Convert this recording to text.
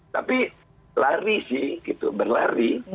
tapi lari sih berlari